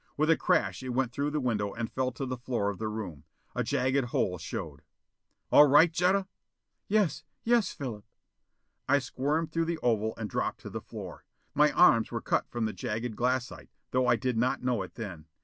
With a crash it went through the window and fell to the floor of the room. A jagged hole showed. "All right, Jetta?" "Yes! Yes, Philip." I squirmed through the oval and dropped to the floor. My arms were cut from the jagged glassite, though I did not know it then.